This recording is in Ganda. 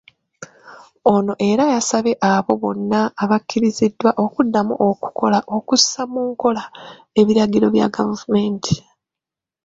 Ono era yasabaye abo bonna abakkiriziddwa okuddamu okukola okussa mu nkola ebiragiro bya gavumenti.